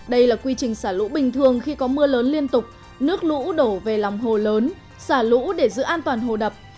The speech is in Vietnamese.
đây là quy trình xả lũ bình thường khi có mưa lớn liên tục nước lũ đổ về lòng hồ lớn xả lũ để giữ an toàn hồ đập